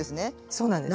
そうなんです。